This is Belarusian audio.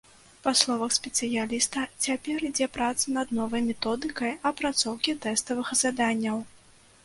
Па словах спецыяліста, цяпер ідзе праца над новай методыкай апрацоўкі тэставых заданняў.